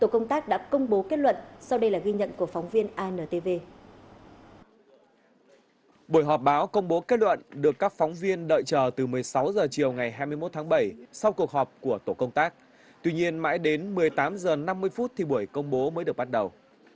một phút thì buổi công bố mới được bắt đầu